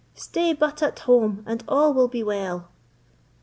Stay but at home, and all will be well!"